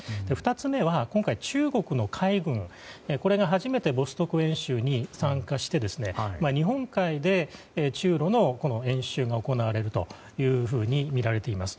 ２つ目は今回、中国の海軍が初めてボストーク演習に参加して日本海で中ロの演習が行われるというふうにみられています。